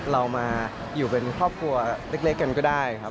เรามาอยู่เป็นครอบครัวเล็กกันก็ได้ครับ